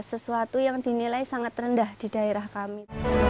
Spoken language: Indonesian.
sesuatu yang dinilai sangat rendah di daerah kami